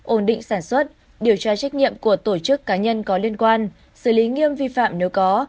ổn định sản xuất điều tra trách nhiệm của tổ chức cá nhân có liên quan xử lý nghiêm vi phạm nếu có